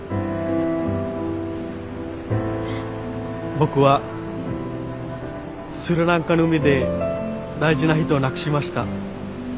僕はスリランカの海で大事な人を亡くしました。